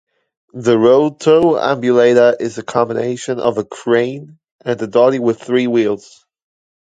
The rotoambulator is a combination of a crane and a dolly with three wheels.